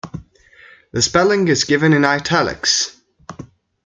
The spelling is given in italics.